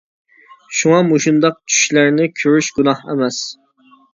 شۇڭا مۇشۇنداق چۈشلەرنى كۆرۈش گۇناھ ئەمەس.